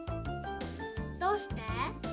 どうして？